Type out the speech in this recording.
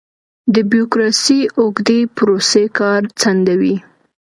د بیروکراسۍ اوږدې پروسې کار ځنډوي.